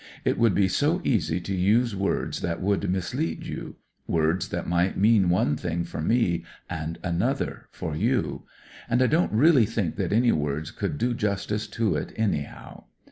It would be so easy to use words that would mislead you, words that might mean one thing for me and another for you. And I don't really think that any words could do justice to it, anyhow.